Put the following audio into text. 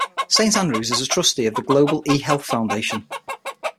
Saint Andrews is a Trustee of the Global eHealth Foundation.